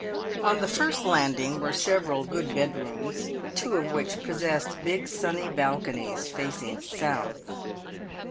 On the first landing were several good bedrooms, two of which possessed big sunny balconies, facing south.